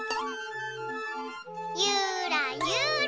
ゆらゆら。